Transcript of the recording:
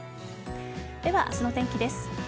では、明日の天気です。